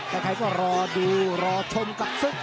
แต่ก็รอดูรอชนกับสุทธิ์